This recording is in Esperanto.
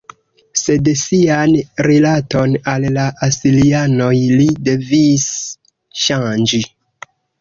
Sed sian rilaton al la asirianoj li devis ŝanĝi.